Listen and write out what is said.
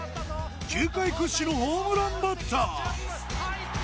球界屈指のホームランバッター。